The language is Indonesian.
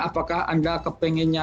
apakah anda ke pengennya